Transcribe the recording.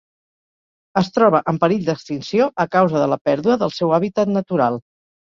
Es troba en perill d'extinció a causa de la pèrdua del seu hàbitat natural.